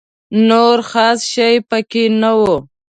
نور خاص شی په کې نه و.